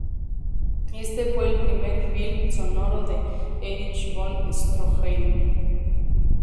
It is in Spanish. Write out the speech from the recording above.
Éste fue el primer film sonoro de Erich von Stroheim.